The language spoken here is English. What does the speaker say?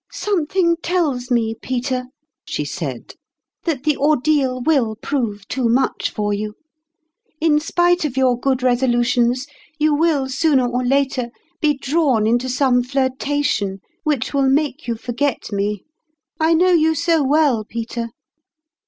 " Something tells me, Peter," she said, " that the ordeal will prove too much for you : in spite of your good resolutions, you will sooner or later be drawn into some flirtation which will make you forget me. I know you so well, Peter!"